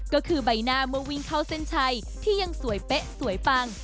ก็คือใบหน้าเมื่อวิ่งเข้าเส้นชัยที่ยังสวยเป๊ะสวยปัง